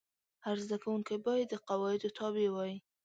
هر زده کوونکی باید د قواعدو تابع وای.